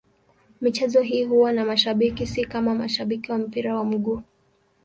Michezo hii huwa na mashabiki, si kama mashabiki wa mpira wa miguu.